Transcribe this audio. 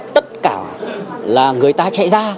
tất cả là người ta chạy ra